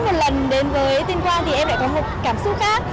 và mỗi một lần đến với tuyên quang thì em lại có một cảm xúc khác